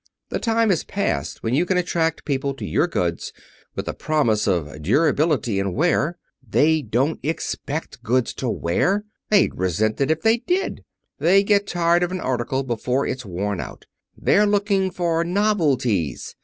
The time is past when you can attract people to your goods with the promise of durability and wear. They don't expect goods to wear. They'd resent it if they did. They get tired of an article before it's worn out. They're looking for novelties.